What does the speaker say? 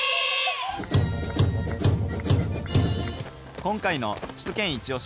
今回の首都圏いちオシ！